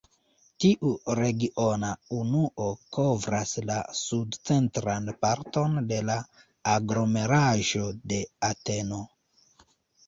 Tiu regiona unuo kovras la sud-centran parton de la aglomeraĵo de Ateno.